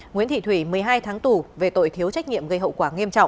nguyễn thị thủy một mươi hai tháng tù về tội thiếu trách nhiệm gây hậu quả nghiêm trọng